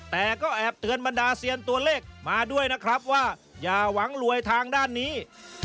แต่ก็แอบเตือนบรรดาเซียนตัวเลขมาด้วยนะครับว่าอย่าหวังรวยทางด้านนี้